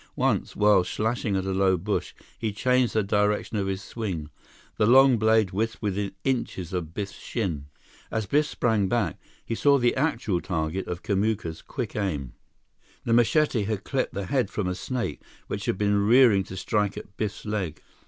Once, while slashing at a low bush, he changed the direction of his swing. The long blade whisked within inches of Biff's shin. As Biff sprang back, he saw the actual target of Kamuka's quick aim. The machete had clipped the head from a snake which had been rearing to strike at Biff's leg.